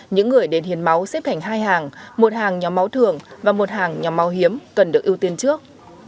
những người đến hiến máu xếp cảnh hai hàng một hàng nhóm máu thường và một hàng nhóm máu hiếm cần được ưu tiên trước